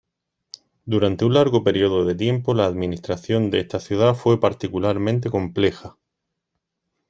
Durante un largo periodo de tiempo la administración de esta ciudad fue particularmente compleja.